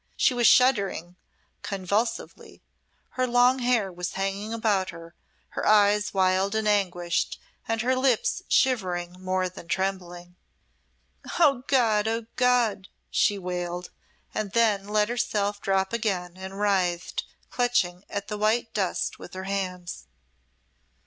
She was shuddering convulsively, her long hair was hanging about her, her eyes wild and anguished, and her lips shivering more than trembling. "Oh, God! Oh, God!" she wailed, and then let herself drop again and writhed, clutching at the white dust with her hands.